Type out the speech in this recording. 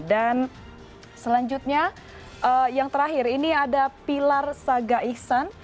dan selanjutnya yang terakhir ini ada pilar saga ihsan